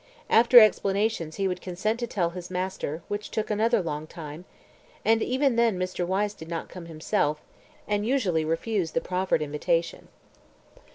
After explanations he would consent to tell his master, which took another long time, and even then Mr. Wyse did not come himself, and usually refused the proffered invitation.